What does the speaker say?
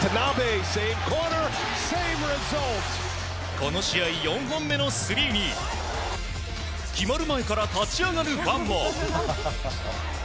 この試合４本目のスリーに決まる前から立ち上がるファンも。